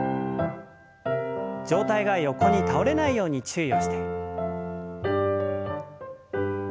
上体が横に倒れないように注意をして。